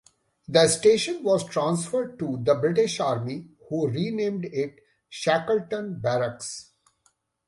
The station was transferred to the British Army, who renamed it Shackleton Barracks.